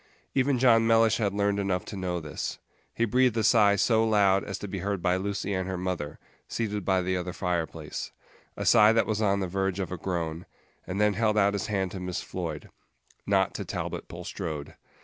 Even John Mellish had learned enough to know this. He breathed a sigh so loud as to be heard by Lucy and her mother, seated by the other fireplace a sigh that was on the verge of a groan and then held out his hand to Miss Floyd. Not to Talbot Bulstrode.